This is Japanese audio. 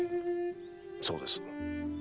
そうです。